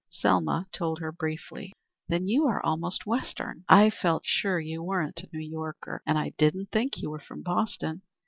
Selma told her briefly. "Then you are almost Western. I felt sure you weren't a New Yorker, and I didn't think you were from Boston.